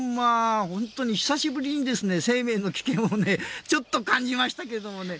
本当に久しぶりに生命の危険をちょっと感じましたけどね。